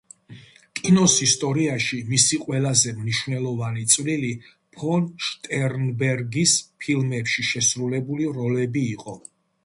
კინოს ისტორიაში მისი ყველაზე მნიშვნელოვანი წვლილი ფონ შტერნბერგის ფილმებში შესრულებული როლები იყო.